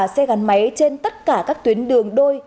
xe gắn máy trên tất cả các tuyến đường đôi